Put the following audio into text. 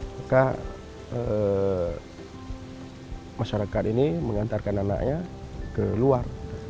maka masyarakat ini mengantarkan anaknya ke luar